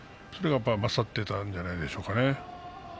それが勝っていたんじゃないでしょうか。